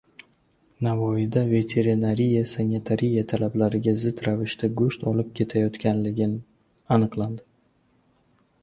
Navoiyda veterinariya-sanitariya talablariga zid ravishda go‘sht olib ketilayotganligi aniqlandi